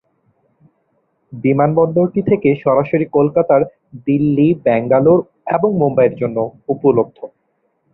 বিমানবন্দরটি থেকে সরাসরি কলকাতার, দিল্লি, বেঙ্গালুরু এবং মুম্বাইয়ের জন্য উপলব্ধ।